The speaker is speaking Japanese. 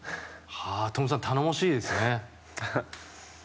トムさん頼もしいですね。